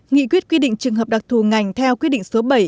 nghị quyết quy định trường hợp đặc thù ngành theo quyết định số bảy